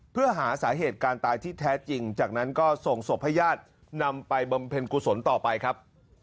เพื่อหาสาเหตุการตายที่แท้จริงจากนั้นก็ส่งศพให้ญาตินำไปบำเพ็ญกุศลต่อไปครับ